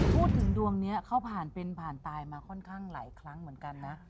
พูดถึงดวงนี้เขาผ่านเป็นผ่านตายมาค่อนข้างหลายครั้งเหมือนกันนะ